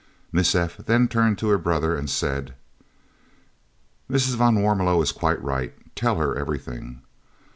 Miss F. then turned to her brother and said: "Mrs. van Warmelo is quite right. Tell her everything."